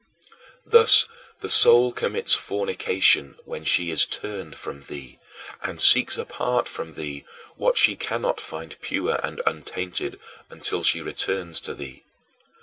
14. Thus the soul commits fornication when she is turned from thee, and seeks apart from thee what she cannot find pure and untainted until she returns to thee.